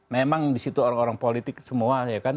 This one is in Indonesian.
memang di situ orang orang politik semua ya kan